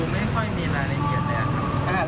มาจากใครเอ้าคนแจ้งครับ